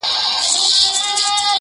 • نن یاغي یم له زندانه ځنځیرونه ښخومه,